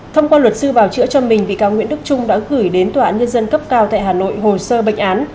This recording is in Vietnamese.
thông qua luật sư bảo chữa cho mình bị cáo nguyễn đức trung đã gửi đến tòa án nhân dân cấp cao tại hà nội hồ sơ bệnh án